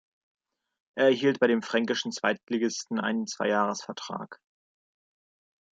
Er erhielt bei dem fränkischen Zweitligisten einen Zweijahresvertrag.